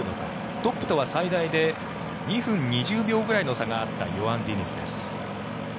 トップとは最大で２分２０秒ぐらいの差があったヨアン・ディニズです。